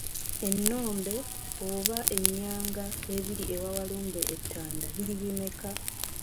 Ennombe oba ennyanga ebiri ewa Walumbe e Ttanda biri bimeka?